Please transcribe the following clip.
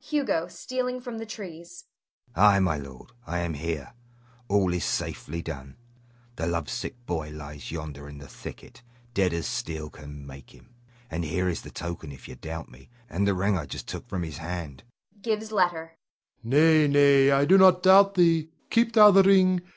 Hugo [stealing from the trees]. Ay, my lord, I am here. All is safely done: the love sick boy lies yonder in the thicket, dead as steel can make him. And here is the token if you doubt me, and the ring I just took from his hand [gives letter]. Rod. Nay, nay, I do not doubt thee; keep thou the ring.